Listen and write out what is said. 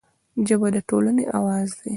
ژبه د ټولنې اواز دی